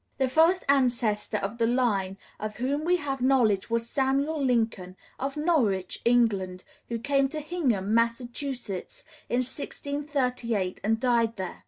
The first ancestor of the line of whom we have knowledge was Samuel Lincoln, of Norwich, England, who came to Hingham, Massachusetts, in 1638, and died there.